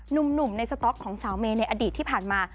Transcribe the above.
หนุ่มในสต๊อกของสาวเมย์ในอดีตที่ผ่านมา